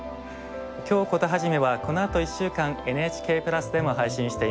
「京コトはじめ」はこのあと１週間「ＮＨＫプラス」でも配信しています。